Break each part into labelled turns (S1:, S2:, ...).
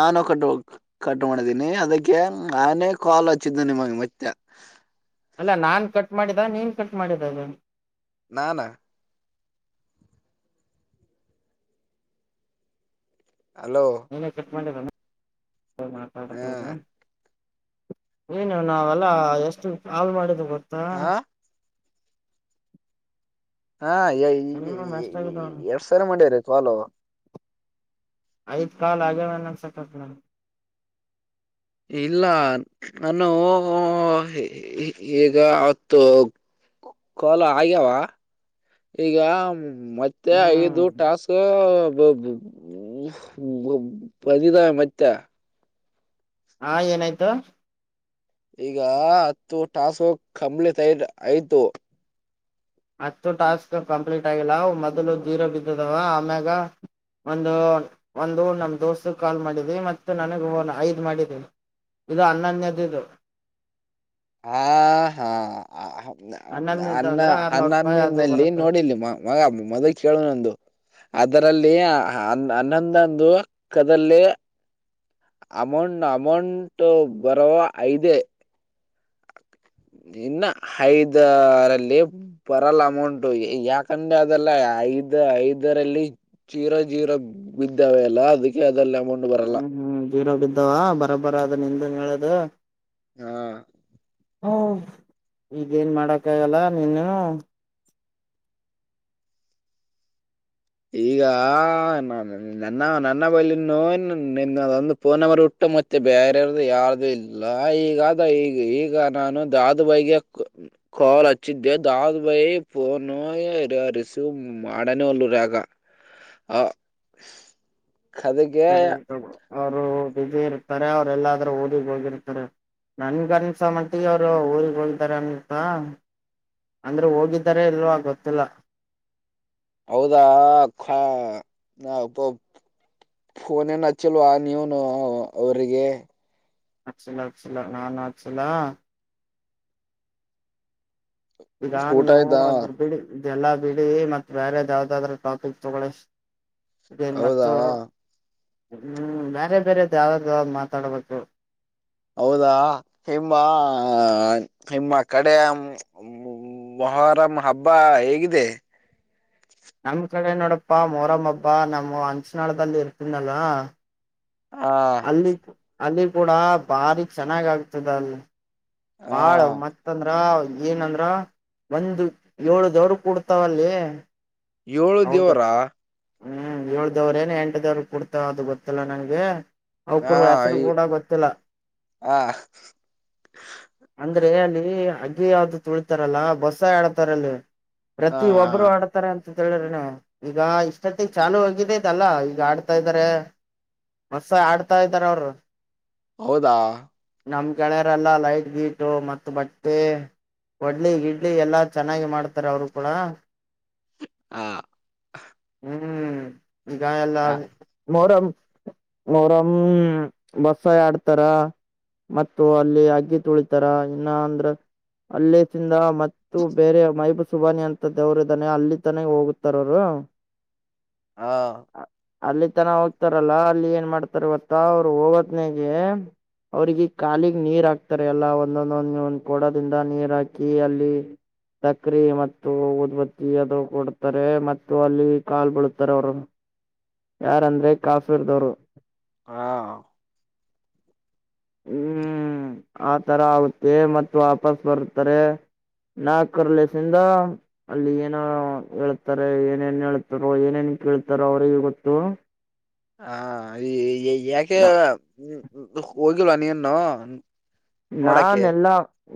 S1: ನಾನು cut cut ಮಾಡಿದ್ದೀನಿ ಅದಕ್ಕೆ ಆನೆೇ ಕಾಲು ಹಚ್ಚಿದ್ದು ನಿಮಗೆ ಮತ್ತೆ
S2: ಅಲ್ಲ ನಾನ್ ಕಟ್ ಮಾಡಿದ ನೀನ್ ಕಟ್ ಮಾಡಿದ ಅದು
S1: ನಾನ ಹಲೋ
S2: ಏನ ಕಟ್ ಮಾಡಿರನ
S1: ಹ
S2: ಮಾತಾಡ್ತದ ಏನು ನಾವೆಲ್ಲ ಎಷ್ಟು ಕಾಲ್ ಮಾಡಿದ ಗೊತ್ತ ಹಾ
S1: ಹಾ ಎ
S2: ಮಿನಿಮಮ್ ಎಷ್ಟಾಗಿದಾವ
S1: ಎಸ್ ಸರ ಮಾಡ್ಯಾರೀ ಕಾಲು
S2: ಐದ ಕಾಲ್ ಆಗನ್ನ ಅನ್ಸಕ
S1: ಇಲ್ಲ ನಾನು ವು ವು ಈಗ ಅವತ್ತು ಕಾಲ್ ಆಗ್ಯಾವ ಈಗ ಮತ್ತೆ
S2: ಹ್ಮ್
S1: ಐದು ಟಾಸ್ ಬ ಬ ಬಂದಿದಾವೆ ಮತ್ತೆ
S2: ಹಾ ಏನಾಯ್ತು.
S1: ಈಗ ಹತ್ತು ಟಾಸು ಕಂಬಳ ತೈದ ಆಯ್ತು.
S2: ಹತ್ತು ಟಾಸ್ಕ್ ಕಂಪ್ಲೀಟ್ ಆಗಿಲ್ಲ ಮೊದಲು ಜೀರೋ ಬಿದ್ದದವ ಆಮ್ಯಾಗ ಒಂದು ಒಂದು ನಮ್ಮ ದೋಸ್ತಗೆ ಕಾಲ್ ಮಾಡಿದೀವಿ ಮತ್ತು ನನಗೆ ಐದು ಮಾಡಿದೆ ಇದು ಹನ್ನನ್ಯದ ಇದು
S1: ಹಾ ಹಾ
S2: ಹನ್ನೊಂದನೇದು
S1: ಅನ್ನ
S2: ಅಂದ್ರೆ ಆರ್ನೂರ್ ರೂಪಾಯಿ ಅದು
S1: ಹನ್ನನ್ನಿನಲ್ಲಿ
S2: ಬರುತ್ತೆ
S1: ನೋಡಿಲಿ ಮ ಮಗ ಮೊದಲ ಕೇಳೋ ನೊಂದು ಅದರಲ್ಲಿ ಹನ್ನೊಂದೊಂದು ಕದಲ್ಲಿ ಅಮೌಂಟ್ ಅಮೌಂಟ್ ಬರುವ ಐದೇ ಇನ್ನ ಐದರಲ್ಲಿ ಬರಲ್ ಅಮೌಂಟು ಯಾಕಂದೆ ಅದೆಲ್ಲ ಐದ ಐದರಲ್ಲಿ ಚೀರಾ ಜೀರ ಬಿದ್ದಾವೆ ಅಲ್ಲ ಅದಕ್ಕೆ ಅದಲ್ಲಿ ಅಮೌಂಟ್ ಬರಲ್ಲ.
S2: ಹ್ಮ್ ಹ್ಮ್ ಜೀರೊ ಬಿದ್ದಾವ ಬರಬರ ಅದ ನಿಂದ್ ಹೇಳದು
S1: ಹಾ
S2: ಹ ಈಗೇನ್ ಮಾಡಕ ಆಗಲ್ಲ ನೀನು
S1: ಈಗ ನ ನನ್ನ ನನ್ನ ಬೈಲನ್ನು ನಿನ್ನದೊಂದು ಪೋನವರು ಹುಟ್ಟು ಮ ಮತ್ತೆ ಬೇರಾರ್ದು ಯಾರ್ದು ಇಲ್ಲ ಈಗಾದ ಈಗ ಈಗ ನಾನು ದಾದ ಬೈಗೆ ಕಾಲ್ ಹಚ್ಚಿದ್ದೆ ದಾದ ಬೈ ಫೋನು ರಿಸೀವ್ ಮಾಡನ ಒಲ್ ರ ಆ
S2: ಸರಿ ಅವರು ಬಸಿ ಇರ್ತಾರೆ ಅವ್ರ ಎಲ್ಲಾದ್ರೂ ಓದಿಗೆ ಹೋಗಿರ್ತಾರೆ ನನ್ಗನ್ಸ ಮತಿಗ ಅವರು ಊಗ್ ಹೋಗತಾರ ಅನಪ್ಪಾ ಅಂದ್ರೆ ಹೋಗಿದ್ದಿದ್ದಾರೆ ಇಲ್ವಾ ಗೊತ್ತಿಲ್ಲ
S1: ಹೌದಾ ನ ಫೋನ್ ಏನ್ ಹಚ್ಚಲ್ವಾ ನೀವನು ಅವ್ರಿಗೆ
S2: ಹಕ್ಷಲಕ್ಷಲ ನಾನಾ ಆಕ್ಷಲಾ ಈಗ
S1: ಊಟ
S2: ನೀವು
S1: ಆಯ್ತಾ
S2: ಅದ್ರ ಬಿಡಿ ಎಲ್ಲಾ ಬಿಡಿ ಮತ್ತ ಬೇರೆದ ಯಾವ್ದಾದ್ರ ಟಾಪಿಕ್ ತಗೊಳಿ ಇ ಮ
S1: ಹೌದಾ
S2: ಹ್ಮ್ ಬೇರೆ ಬೇರೆದ್ ಯಾವ್ದು ಮಾತಾಡ್ಬೇಕು
S1: ಹೌದಾ ನಿಮ್ಮ ನಿಮ್ಮ ಕಡ ಮೊಹಾರಂ ಹಬ್ಬ ಹೇಗಿದೆ
S2: ನಮ ಕಡೆ ನೋಡಪ್ಪಾ ಮೋರಮ್ಮಬ್ಬಾ ನಮ್ಮ ಅಂಚನಾಳದಲ್ಲಿ ಇರ್ತನಲ್ವ
S1: ಹಾ
S2: ಅಲ್ಲಿ ಕೂಡ ಬಾರಿ ಚೆನ್ನಾಗ್ ಆಗ್ತದ ಅಲ್ಲಿ
S1: ಹ
S2: ಬಾಳ ಮತ್ತಂದ್ರ ಏನಂದ್ರ ಒಂದು ಏಳ ದವರು ಕುಡ್ತಾವಲ್ಲಿ
S1: ಏಳು ದೇವರ
S2: ಹ್ಮ್ ಏಳ್ದವ್ರ ಏನ್ ಎಂಟದವ್ರ ಕೊಡ್ತಾವ ಅದು ಗೊತ್ತಲ್ಲಾ ನಂಗೆ
S1: ಹ
S2: ಅವಕರು ಹೆಸರು ಕೂಡ ಗೊತ್ತಿಲ್ಲ
S1: ಹ
S2: ಅಂದ್ರೆ ಅಲ್ಲಿ ಯಾವ್ದ ತುಳಿತಾರಲ್ಲಾ ಬಸ್ಸ ಆಡತಾರಲ್ಲಿ
S1: ಹ
S2: ಪ್ರತಿ ಒಬ್ರು ಆಡತಾರ ಅಂತ ಅಂತ ಹೇಳ್ರಿ ನ ಈಗ ಇಷ್ಟೊತ್ತಿಗೆ ಚಾಲುೂ ಆಗಿದ್ದ ಇದಲ್ಲ ಈಗ ಆಡ್ತಾ ಇದ್ದಾರೆ ಹೊಸ ಆಡ್ತಾ ಇದ್ದಾರ ಅವರು
S1: ಹೌದಾ
S2: ನಮ್ ಕೆಳೆಯರೆಲ್ಲ ಲೈಟ್ ಗೀಟ ಮತ್ತು ಬಟ್ಟೆ ವಡ್ಲಿ ಇಡ್ಲಿ ಎಲ್ಲಾ ಚೆನ್ನಾಗಿ ಮಾಡ್ತಾರೆ ಅವರು ಕೂಡ
S1: ಆ
S2: ಹ್ಮ್ ಗಾಯ ಎಲ್ಲ ಮೊರ ಅವರಮ್ಮ ಬಸ ಆಡ್ತಾರ ಮತ್ತು ಅಲ್ಲಿ ಅಗ್ಗಿ ತುಳಿತಾರ ಇನ್ನ ಅಂದ್ರ ಅಲ್ಲ ತಿಂದ ಮತ್ತು ಬೇರೆ ಮಹಬುಸುಬಾನಿ ಅಂತ ದೇವರು ಇದಿದ್ದಾನೆ ಅಲ್ಲಿ ತಾನೇ ಹೋಗ ಹತಾರೋರು
S1: ಹಾ
S2: ಅಲ್ಲಿ ತನ ಹೋಗ್ತಾರಲ್ಲಾ ಅಲ್ಲಿ ಏನ್ ಮಾಡ್ತಾರವತ್ತ ಅವರು ಹೋಗೋದನಗೆ ಅವ್ರಿಗೆ ಖಾಲಿಗ್ ನೀರ್ ಹಾಕ್ತಾರೆ ಎಲ್ಲ ಒಂದೊಂದೊಂದ್ ಒಂದ ಕೋಡದಿಂದ ನೀರ್ ಹಾಕಿ ಅಲ್ಲಿ ಸಕ್ರೆ ಮತ್ತು ಉದ್ಬತ್ತಿ ಅದು ಕೊಡ ಮತ್ತು ಅಲ್ಲಿ ಕಾಲ್ ಬೀಳುತ್ತಾರೆ ಅವರು ಯಾರಂದ್ರೆ ಕಾಶ್ಮೀರದವರು
S1: ಹಾ
S2: ಹ್ಮ್ ಆಥರ ಆಗುತ್ತೆ ಮತ್ತು ವಾಪಸ್ ಬರುತ್ತಾರೆ ನಾಲ್ಕರ್ ಲೇಸಿಂದ ಅಲ್ಲಿ ಏನ ಹೇಳ್ತಾರೆ ಏನೇನ್ ಹೇಳ್ತಾರ ಏನೇನ್ ಕೇಳ್ತಾರ ಅವ್ರಗ ಗೊತ್ತು
S1: ಹಾ ಈ ಯಾಕೆ ಹೋಗಿಲ್ಲ ನೀನ್ನು
S2: ನಾನ ಎಲ್ಲಾ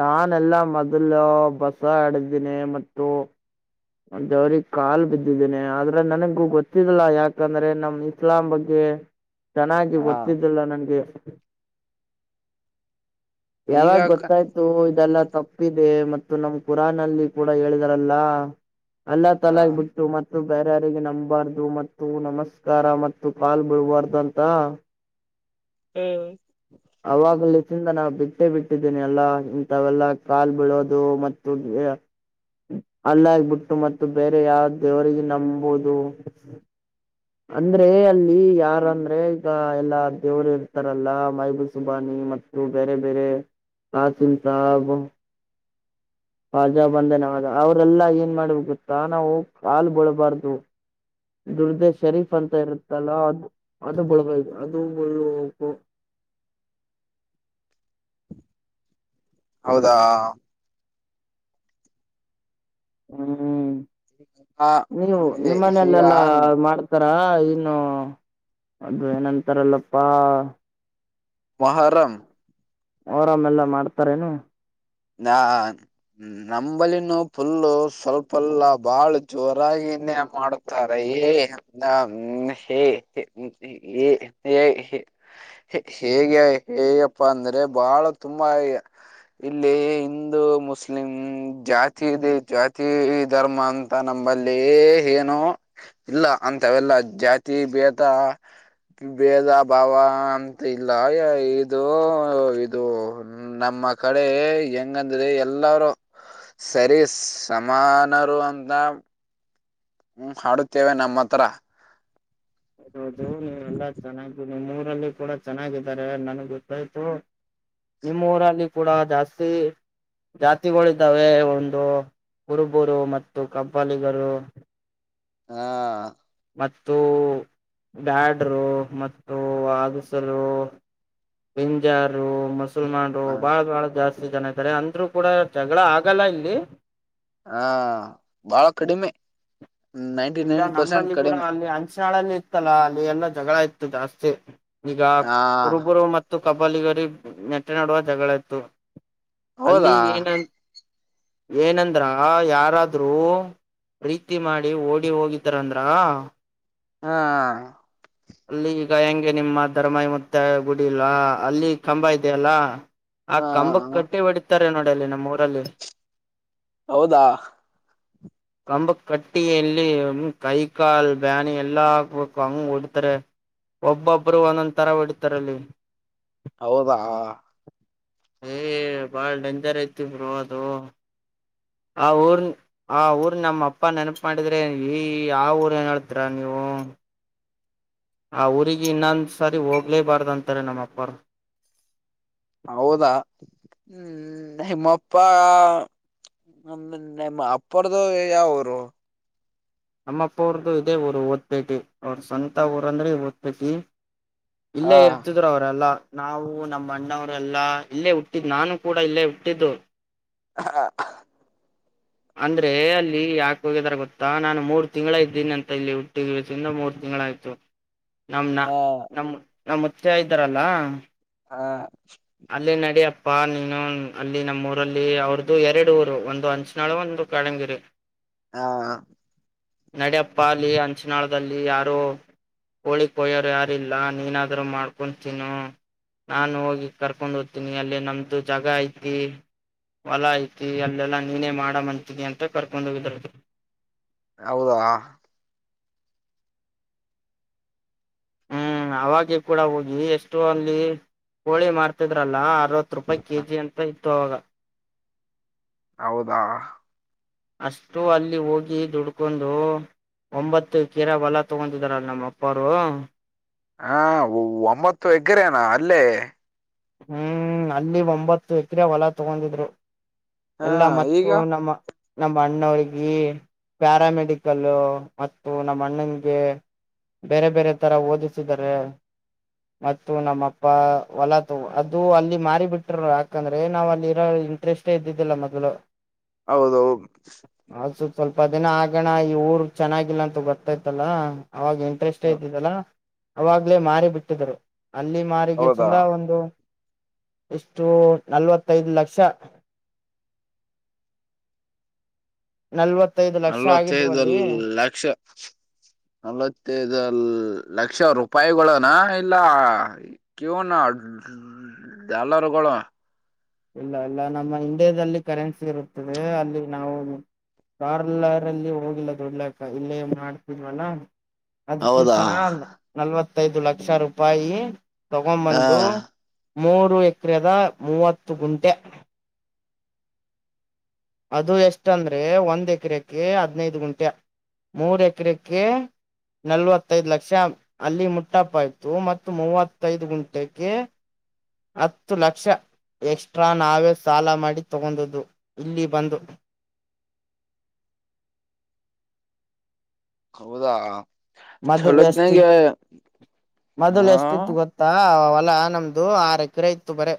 S2: ನಾನೆಲ್ಲ ಮೊದಲು ಬಸ ಆಡ್ದನಿ ಮತ್ತು ಜವ್ರಿಗೆ ಕಾಲು ಬಿದ್ದಿದ್ದೇನೆ ಆದ್ರ ನನಗೂ ಗೊತ್ತಿದಿಲ್ಲಾ ಯಾಕಂದ್ರೆ ನಮ್ ಇಸ್ಲಾಂ ಬಗ್ಗೆ ಚೆನ್ನಾಗಿ
S1: ಹ
S2: ಗೊತ್ತಿದ್ದಿಲ್ಲ ನಂಗೆ
S1: ಈಗ
S2: ಯಾವಾಗ ಗೊತ್ತಾಯ್ತು ಇದೆಲ್ಲಾ ತಪ್ಪಿದ ಮತ್ತು ನಮ್ ಕುರಾನ್ಲ್ ಕೂಡ ಹೇಳಿದಾರಲ್ಲ ಅಲ್ಲಾ
S1: ಹ
S2: ತಲ ಬಿಟ್ಟು ಮತ್ತೆ ಬೇರಾರಿಗೆ ನಂಬಾರ್ದು ಮತ್ತು ನಮಸ್ಕಾರ ಮತ್ತು ಕಾಲ್ ಬಿಡಬಾರ್ದು ಅಂತ
S1: [unintelligible]
S2: [unintelligible] ಬಿಟ್ಟೇ ಬಿಟ್ಟಿದ್ದೀನಿ ಎಲ್ಲಾ ಇಂಥವೆೆಲ್ಲಾ ಕಾಲ್ ಬೀಳೋದು ಮತ್ತು [unintelligible] ಅಲ್ಲಾಗ್ಬಿಟ್ಟು ಮತ್ತು ಬೇರೆ [unintelligible] ದೇವರಿಗೆ ನಂಬುವುದು. ಅಂದ್ರೆ ಅಲ್ಲಿ ಯಾರಂದ್ರೆ ಈಗ ಎಲ್ಲಾ ದೇವರು ಇರ್ತಾರಲ್ಲಾ [unintelligible] ಮತ್ತು ಬೇರೆ ಬೇರೆ [unintelligible] ಸಾಹಬ್ [unintelligible] ಬಂದನವಾಗ ಅವ್ರಲ್ಲಾ ಏನ್ ಮಾಡ್ಬೇಕ ಗೊತ್ತಾ ನಾವು ಕಾಲು [unintelligible] [unintelligible] ಶರೀಫ್ ಅಂತ ಇರುತ್ತಲ್ಲ ಅದು ಅದುಳ್ಬ ಅದು [unintelligible]
S1: ಹೌದಾ
S2: ಹ್ಮ್
S1: ಹ
S2: ನೀವು
S1: ಈಗ
S2: ನಿಮ್ಮನೇಲೆಲ್ಲಾ ಮಾಡ್ತಾರ್ [unintelligible] ಇನು ಅದು ಏನಂತಾರಲ್ಲಪ್ಪಾ
S1: ಮೊಹರಂ
S2: ಮೊಹರಂ ಎಲ್ಲ ಮಾಡ್ತಾರೇನು.
S1: ನ [unintelligible] ನಂಬಲಿನೂ ಫುಲ್ಲು ಸ್ವಲ್ಪಲ್ಲ ಬಾಳ ಜೋರಾಗಿ [unintelligible] ಮಾಡುತ್ತಾರೆ [unintelligible] [unintelligible] ಹೇಗೆ ಹೇಗಪ್ಪಾ ಅಂದ್ರೆ ಬಾಳ ತುಂಬಾ [unintelligible] ಇಲ್ಲಿ ಹಿಂದೂ ಮುಸ್ಲಿಂ ಜಾತಿ ಇದೆ ಜಾತಿ ಧರ್ಮ ಅಂತ ನಮ್ಮಲ್ಲಿ. [unintelligible] ಏನು ಇಲ್ಲ ಅಂತವೆಲ್ಲ ಜಾತಿ ಭೇದ ಭೇದ ಭಾವ ಅಂತ ಇಲ್ಲ [unintelligible] ಇದು ಇದು ನಮ್ಮ [unintelligible] [unintelligible] ಹೆಂಗಂದ್ರೆ ಎಲ್ಲಾರೂ ಸರಿ ಸಮಾನರು ಅಂತ. ಹ್ಮ್ ಹಾಡುತ್ತೇವೆ ನಮ್ಮ ಹತ್ರ.
S2: [unintelligible] ನಿಮ್ಮರಲ್ಲಿ ಕೂಡ ಚೆನ್ನಾಗಿದ್ದಾರೆ ನನ್ಗ್ ಗೊತ್ತಾಯ್ತು. ನಿಮ್ಮ ಊರಲ್ಲಿ ಕೂಡ ಜಾಸ್ತಿ ಜಾತಿಗಳಿದ್ದಾವೆ ಒಂದು ಕುರುಬೂರು ಮತ್ತು ಕಬ್ಬಲಿಗರು
S1: ಹಾ.
S2: ಮತ್ತು ಬ್ಯಾಡರು ಮತ್ತು [unintelligible] [unintelligible] ಮುಸಲ್ಮಾನ್ರು
S1: ಹ
S2: [unintelligible] ಬಾಳ ಜಾಸ್ತಿ ಜನ ಇದಾರೆ ಅಂದ್ರು ಕೂಡ ಜಗಳ ಆಗಲ್ಲ ಇಲ್ಲಿ
S1: ಹಾ ಬಾಳ ಕಡಿಮೆ ನೈಂಟಿ
S2: ಇಲ್ಲ
S1: ನೈನ್ ಪರ್ಸೆಂಟ್
S2: ನಂಬಲ್ಲಿ ಕೂಡ
S1: ಕಡಿಮೆ.
S2: [unintelligible] ಇತ್ತಲ್ಲ ಅಲ್ಲಿ ಎಲ್ಲ ಜಗಳ ಇತ್ತು ಜಾಸ್ತಿ ಈಗ
S1: ಹಾ
S2: ಕುರುಬುರು ಮತ್ತು [unintelligible] ನೆಟ್ಟ ನಡುವ ಜಗಳ ಇತ್ತು
S1: ಹೌದಾ
S2: ಅಲ್ಲಿ [unintelligible] ಏನಂದ್ರ ಯಾರಾದ್ರೂ ಪ್ರೀತಿ ಮಾಡಿ ಓಡಿ [unintelligible] ಹೋಗಿದ್ದಾರಂದ್ರ.
S1: [unintelligible]
S2: ಅಲ್ಲಿ ಈಗ ಹೆಂಗೆ ನಿಮ್ಮ ಧರ್ಮಾಯಿ [unintelligible] ಮತ್ತೆ ಗುಡಿಲ್ಲ ಅಲ್ಲಿ ಕಂಬ ಇದೆಯಲ್ಲ. ಆ
S1: ಹಾ
S2: ಕಂಬಕ್ ಕಟ್ಟಿ ಹೊಡತಾರೆ ನೋಡ ಅಲ್ಲಿ ನಮ್ಮ್ ಊರಲ್ಲಿ.
S1: ಹೌದಾ
S2: ಕಂಬಕಟ್ಟಿ ಎಲ್ಲಿ [unintelligible] ಕೈ ಕಾಲ್ ಬ್ಯಾನಿ ಎಲ್ಲಾ ಆಗಬೇಕು ಹಂಗ್ ಒಡ್ [unintelligible] ಒಬ್ಬೊಬ್ಬರು ಒಂದೊಂದ ತರ ಹೊಡತಾರಲ್ಲಿ.
S1: ಹೌದಾ
S2: ಏ ಬಾಳ್ ಡಂಜರ್ ಐತಿ ಬ್ರೋ ಅದು. ಆ ಊರ್ನ್ ಆ ಊರ್ ನಮ್ಮ ಅಪ್ಪ ನೆನಪು ಮಾಡಿದ್ರೆ ಈ ಆ ಊರ್ ಏನ್ ಹೇಳ್ತರ ನೀವು [unintelligible] ಆ ಊರಿಗಿ ಇನ್ನೊಂದ ಸಾರಿ ಹೋಗ್ಲೇಬಾರ್ದ ಅಂತಾರೆ ನಮ್ಮ ಅಪ್ಪರು.
S1: ಹೌದಾ [unintelligible] ಮಪ್ಪ [unintelligible] ಅಪ್ಪರ್ಧು ಯಾವೂರು
S2: ನಮ್ಮಪ್ಪ ಅವರದ್ದು ಇದೇ ಊರು [unintelligible] ಅವ್ರ ಸ್ವಂತ ಊರಂದ್ರೆ. [unintelligible]
S1: ಹ
S2: ಇಲ್ಲೆ ಇರ್ತಿದ್ರು ಅವರೆಲ್ಲ. ನಾವು ನಮ್ಮ ಅಣ್ಣವರೆಲ್ಲಾ ಇಲ್ಲೇ ಹುಟ್ಟಿದ್ ನಾನು ಕೂಡ ಇಲ್ಲೇ ಹುಟ್ಟಿದ್ದು
S1: ಅಹಾ ಅ ಅಹ್
S2: ಅಂದ್ರೆ ಅಲ್ಲಿ ಯಾಕ ಹೋಗಿದಾರ ಗೊತ್ತಾ ನಾನು ಮೂರ್ ತಿಂಗಳ ಇದ್ದೀನಿ ಅಂತ ಇಲ್ಲಿ ಹುಟ್ಟಿದಿವಸಿಂದ ಮೂರ್ ತಿ ನಳಾಯ್ತು ನಮ ನ
S1: ಹ
S2: ನಮ್ ನಮ್ಮ ಮುತ್ಯಾ ಇದ್ದರಲ್ಲ
S1: ಹ
S2: ಅಲ್ಲೇ ನಡಿಯಪ್ಪ್ ಪ್ಪಾ ನೀನು ಅಲ್ಲಿ ನಮ್ಮ ಊರಲ್ಲಿ ಅವ್ರದು ಎರಡು ಊರು ಒಂದು ಅಂಚನಾಳು ಒಂದು ಕಳಂಗಿರಿ
S1: [unintelligible]
S2: ನಡೆಪ್ಪ ಅಲ್ಲಿ ಅಂಚಿನಾಳದಲ್ಲಿ ಯಾರೋ ಕೋಳಿ ಕೊಯ್ಯೋರು ಯಾರಿಲ್ಲ ನೀನಾದ್ರೂ ಮಾಡ್ಕೊಂತಿನು ನಾನು ಹೋಗಿ ಕರ್ಕೊಂಡ್ ಹೋಗ್ತೀನಿ ಅಲ್ಲಿ ನಮ್ದು ಜಗ ಐತಿ ಹೊಲ ಐತಿ ಅಲ್ಲೆಲ್ಲಾ ನೀನೇ ಮಾಡ ಮಂತಿನಿ ಅಂತ ಕರ್ಕೊಂಡ ಹೋಗಿದ್ರ
S1: ಹೌದಾ
S2: ಹ್ಮ್ ಅವಾಗೆ ಕೂಡ ಹೋಗಿ ಎಷ್ಟು ಅಲ್ಲಿ ಕೋಳಿ ಮಾರ್ತಿದ್ರಲ್ಲ ರವತ್ತು ರೂಪಾಯಿ ಕೆ ಜಿ ಅಂತ ಇತ್ತು ಅವಾಗ
S1: ಔದಾ
S2: ಅಷ್ಟು ಅಲ್ಲಿ ಹೋಗಿ ದುಡ್ಕೊಂಡು ಒಂಬತ್ತು ಕೀರಾ ಒಲ ತಗೊಂದಿದಾರಲ್ಲ ನಮ್ಮ ಅಪ್ಪರು
S1: ಹಾ ಒ-ಒಂಬತ್ತು ಎಕರೇನಾ ಅಲ್ಲೇ
S2: ಹ್ಮೂ ಅಲ್ಲಿ ಒಂಬತ್ತು ಎಕರೆ ಹೊಲ ತಗೊಂದಿದ್ರು
S1: ಹಾ
S2: ಎಲ್ಲಾ ಮತ್ತು
S1: ಈಗ
S2: ನಮ ನಮ್ಮ ಅಣ್ಣವ್ರಿಗಿ ಪ್ಯಾರಾಮೆಡಿಕಲ್ ಮತ್ತು ನಮ್ಮ ಅಣ್ಣಂಗೆ ಬೇರೆ ಬೇರೆ ತರ ಓದಿಸಿದರೆ ಮತ್ತು ನಮ್ಮಪ್ಪ ಹೊಲ ಅದು ಅಲ್ಲಿ ಮಾರಿ ಬಿಟ್ರ ಯಾಕಂದ್ರೆ ನಾವ್ ಅಲ್ಲಿ ಇರ ಇಂಟ್ರೆಸ್ಟೇ ಇದ್ದಿದ್ದಿಲ್ಲಾ ಮೊದಲು
S1: ಔದೌದ
S2: ಅದ್ ಸ್ವಲ್ಪ ಸ್ವಲ್ಪ ದಿನ ಆಗಣ ಈ ಊರ್ ಚೆನ್ನಾಗಿಲ್ಲ ಅಂತ ಗೊತ್ತೈತಲ್ಲ ಅವಾಗ ಇಂಟ್ರೆಸ್ಟೆ ಇದ್ದಿದಿಲ್ಲ ಅವಾಗ್ಲೆ ಮಾರಿ ಬಿಟ್ಟಿದ್ದರು ಅಲ್ಲಿ
S1: ಹೌದಾ
S2: ಮಾರಿಗೆಸಿಂದ ಒಂದು ಇಷ್ಟು ನಲ್ವತ್ತೈದ ಲಕ್ಷ ನಲ್ವತ್ತ್
S1: ನಲ್ವತ್ತೈದ ಲ-ಲಕ್ಷ ನಲ್ವತ್ತೈದಲ್ ಲಕ್ಷ ರೂಪಾಯಿಗಳನಾ ಇಲ್ಲ [unintelligible] ದೆಲ್ಲರಗೋಳಾ [unintelligible]
S2: ಇಲ್ಲ ಇಲ್ಲ ನಮ್ಮ ಇಂಡಿಯಾದಲ್ಲಿ ಕರೆನ್ಸಿ ಇರುತ್ತದೆ ಅಲ್ಲಿ ನಾವು ಕಾರ್ಲರಲ್ಲಿ ಹೋಗಿಲ್ಲ ದುಡಿಲಕ್ಕ ಇಲ್ಲೇ ಮಾಡ್ತಿದ್ವಲ್ಲ
S1: ಹೌದಾ
S2: ಅದ್ಕೋಸರ ನ-ನಲ್ವತ್ತೈದು ಲಕ್ಷ ರೂಪಾಯಿ
S1: ಹಾ
S2: ತಗೊಂಬಂದು ಮೂರು ಎಕರೆದ ಮೂವತ್ತು ಗುಂಟೆ ಅದು ಎಷ್ಟಂದ್ರೆ ಒಂದ್ ಎಕರೆಕ್ಕೆ ಹದ್ನೈದ ಗುಂಟ್ಯ ಮೂರ ಎಕರೆಕ್ಕೆ ನಲವತ್ತೈದ ಲಕ್ಷ ಅಲ್ಲಿ ಮುಟ್ಟಪ್ಪಾಯ್ತು ಮತ್ತು ಮೂವತ್ತೈದು ಗುಂಟೆಕೆ ಹತ್ತು ಲಕ್ಷ ಎಕ್ಸ್ಟ್ರಾ ನಾವೇ ಸಾಲ ಮಾಡಿ ತಗೊಂಡುದು ಇಲ್ಲಿ ಬಂದು
S1: ಹೌದಾ
S2: ಮೊದಲು ಎಷ್ಟಿತ್ತು
S1: ಚಲೋತ್ನಾಗೆ
S2: ಮೊದ್ಲು
S1: ಹಾ
S2: ಎಷ್ಟಿತ್ತು ಗೊತ್ತಾ ಅಲ್ಲಾ ನಮ್ದು ಆರ ಎಕರೆ ಇತ್ತು ಬರ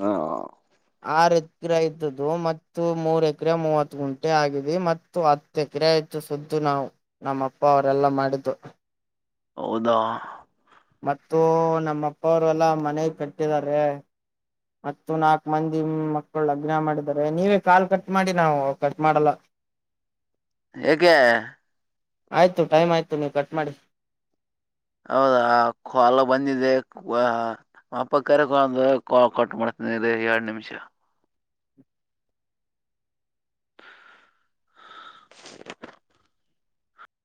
S1: ಹಾ
S2: ಆರ ಎಕರೆ ಇದ್ದ್ದು ಮ ಮೂರ್ ಎಕರೆ ಮೂವತ್ತು ಗುಂಟೆ ಆಗಿದೆ ಮತ್ತು ಹತ್ತು ಎಕರೆ ಹೆಚ್ಚು ಸುದ್ದು ನಾವು ನಮ್ಮ ಅಪ್ಪ ಅವರೆಲ್ಲಾ ಮಾಡಿದ್ದು
S1: ಹೌದ
S2: ಮತ್ತು ನಮ್ಮ ಅಪ್ಪ ಅವರುಲ್ಲಾ ಮನೆ ಕಟ್ಟಿದಿದ್ದಾರೆ ಮತ್ತು ನಾಕ್ು [unintelligible] ಮಂದಿ ಮಕ್ಕಳು ಅಗ್ನ ಮಾಡಿದಿದ್ದಾರೆ ನೀವೇ ಕಾಲ್ ಕಟ್ ಮಾಡಿ ನಾವು ಕಟ್ ಮಾಡಲ್ಲ [unintelligible]
S1: ಯಾಕೆ
S2: ಆಯ್ತು ಟೈಮ್ ಆಯ್ತು ನೀವು ಕಟ್ ಮಾಡಿ
S1: ಹೌದಾ ಕಲ ಬಂದಿದೆೆ ಅಪ್ಪ ಕರೆಂದು ಕಾಲ್ ಕೊಟ್ ಮಾಡ ನರೆ ಎರಡು ನಿಮಿಷ